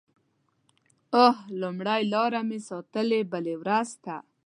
اوه…لومړۍ لاره مې ساتلې بلې ورځ ته